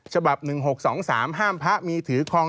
ฉบับ๑๖๒๓ห้ามพระมีถือคลอง